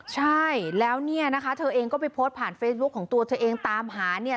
ใช่แล้วเนี่ยนะคะเธอเองก็ไปโพสต์ผ่านเฟซบุ๊คของตัวเธอเองตามหาเนี่ย